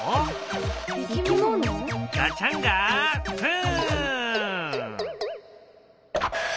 ガチャンガフン！